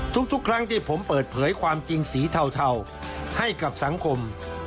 ทุกครั้งที่ผมเปิดเผยความจริงสีเทาให้กับสังคม